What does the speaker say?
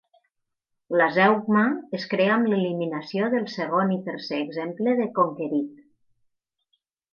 La zeugma es crea amb l'eliminació del segon i tercer exemple de "conquerit".